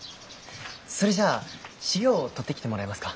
それじゃあ資料を取ってきてもらえますか？